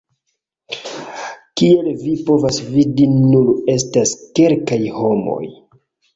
Kiel vi povas vidi nur estas kelkaj homoj